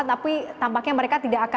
tapi tampaknya mereka tidak akan